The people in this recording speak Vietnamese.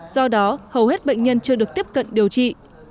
do đó hầu hết bệnh nhân chưa được tiếp cận điều trị